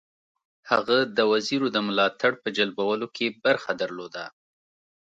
هغه د وزیرو د ملاتړ په جلبولو کې برخه درلوده.